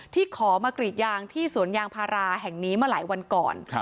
ขอมากรีดยางที่สวนยางพาราแห่งนี้มาหลายวันก่อน